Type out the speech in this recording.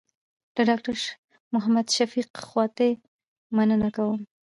له ډاکټر محمد شفق خواتي مننه کوم.